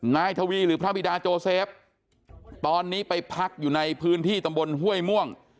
นายทวีหรือพระบิดาโจเซฟตอนนี้ไปพักอยู่ในพื้นที่ตำบลห้วยม่วง